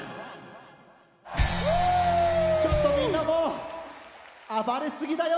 ちょっとみんなもう暴れ過ぎだよ。